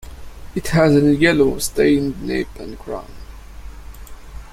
It has a yellow-stained nape and crown.